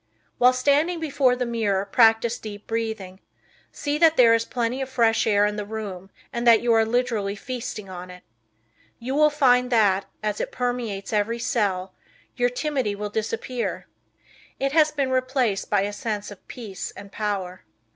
While standing before the mirror practice deep breathing. See that there is plenty of fresh air in the room, and that you are literally feasting on it. You will find that, as it permeates every cell, your timidity will disappear. It has been replaced by a sense of peace and power.